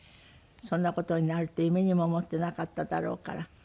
そんな事になるって夢にも思ってなかっただろうから。